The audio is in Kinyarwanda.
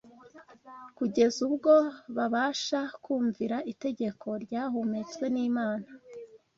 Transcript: kugeza ubwo babasha kumvira itegeko ryahumetswe n’Imana